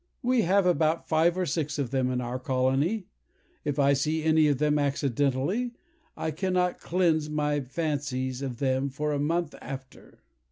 We have about five or six of them in our colony; if I see any of them accidentally, I cannot cleanse my phansie of them for a month after.